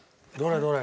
どれ？